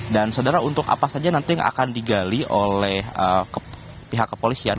dan saudara untuk apa saja nanti yang akan digali oleh pihak kepolisian